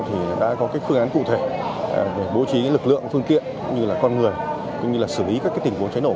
thì đã có phương án cụ thể để bố trí lực lượng phương tiện